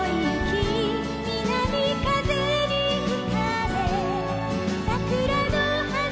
「みなみかぜにふかれ」「サクラのはな